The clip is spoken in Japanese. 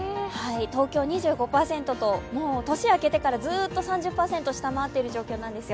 東京２５％と、年明けてからずっと３０％、下回っている状況なんですよ。